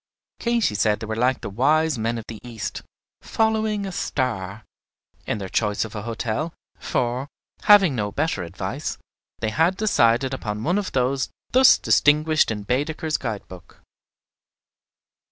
Katy said they were like the Wise Men of the East, "following a star," in their choice of a hotel; for, having no better advice, they had decided upon one of those thus distinguished in Baedeker's Guide book.